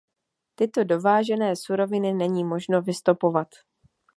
Tyto dovážené suroviny není možno vystopovat.